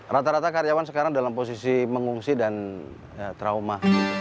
rata rata karyawan sekarang dalam posisi mengungsi dan trauma